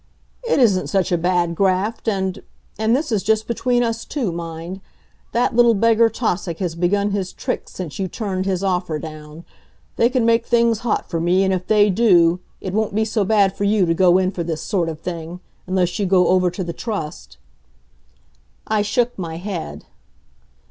"It isn't such a bad graft and and this is just between us two, mind that little beggar, Tausig, has begun his tricks since you turned his offer down. They can make things hot for me, and if they do, it won't be so bad for you to go in for this sort of thing unless you go over to the Trust " I shook my head.